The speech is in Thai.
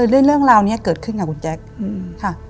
ก็เลยเรื่องราวเนี้ยเกิดขึ้นกับคุณแจ็คอืมค่ะ